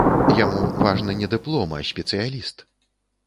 Яму важны не дыплом, а спецыяліст.